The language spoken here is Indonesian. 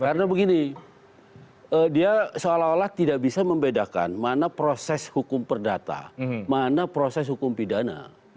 karena begini dia seolah olah tidak bisa membedakan mana proses hukum perdata mana proses hukum pidana